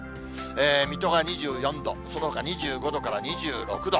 水戸が２４度、そのほか２４度から２６度。